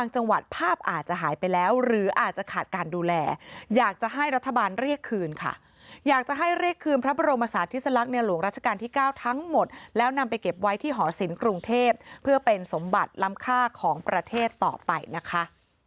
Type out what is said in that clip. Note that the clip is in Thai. จะขาดการดูแลอยากจะให้รัฐบาลเรียกคืนค่ะอยากจะให้เรียกคืนพระบรมศาสตร์ธิสลักษณ์ในหลวงราชกาลที่๙ทั้งหมดแล้วนำไปเก็บไว้ที่หอสินกรุงเทพเพื่อเป็นสมบัติลำค่าของประเทศต่อไปนะคะ